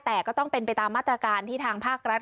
แต่ก็ต้องเป็นไปตามมาตรการที่ทางภาครัฐ